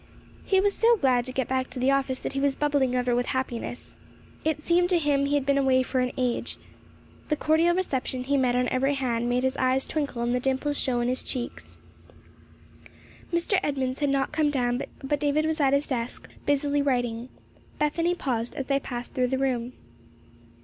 He was so glad to get back to the office that he was bubbling over with happiness. It seemed to him he had been away for an age. The cordial reception he met on every hand made his eyes twinkle and the dimples show in his cheeks. Mr. Edmunds had not come down, but David was at his desk, busily writing. Bethany paused as they passed through the room.